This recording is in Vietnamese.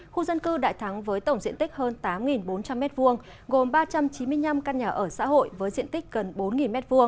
khu dân cư đại thắng với tổng diện tích hơn tám bốn trăm linh m hai gồm ba trăm chín mươi năm căn nhà ở xã hội với diện tích gần bốn m hai